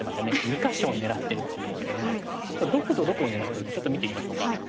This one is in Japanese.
２か所狙ってるって言ってましたけどこれどことどこを狙ってるかちょっと見ていきましょうか。